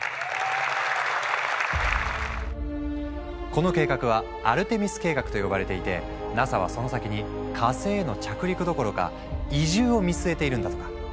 この計画は「アルテミス計画」と呼ばれていてＮＡＳＡはその先に火星への着陸どころか移住を見据えているんだとか。